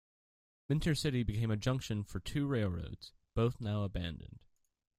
Minter City became a junction for two railroads, both now abandoned.